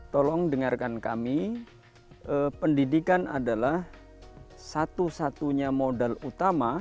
tolong dengarkan kami pendidikan adalah satu satunya modal utama